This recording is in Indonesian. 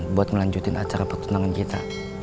buat melanjutkan acara pertunangan kita